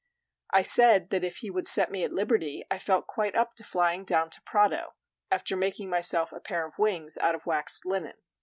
I said that if he would set me at liberty, I felt quite up to flying down to Prato, after making myself a pair of wings out of waxed linen.